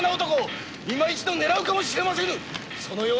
今一度狙うかもしれませぬ何ゆえ